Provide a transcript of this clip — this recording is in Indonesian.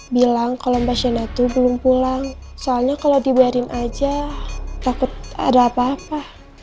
bilang kalau mbak shinatu belum pulang soalnya kalau dibiarin aja takut ada apa apa